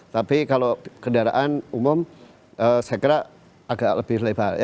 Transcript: tapi kalau kendaraan umum saya kira agak lebih lebar